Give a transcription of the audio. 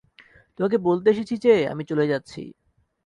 তোমাকে বলতে এসেছি যে, আমি চলে যাচ্ছি।